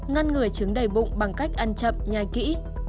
ngăn ngừa trứng đầy bụng bằng cách ăn chậm nhai kỹ